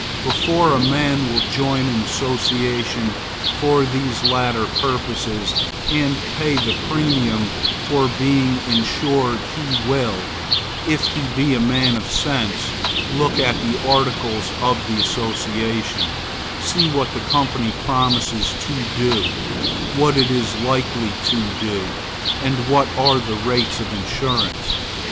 Before a man will join an association for these latter purposes, and pay the premium for being insured, he will, if he be a man of sense, look at the articles of the association; see what the company promises to do; what it is likely to do; and what are the rates of insurance.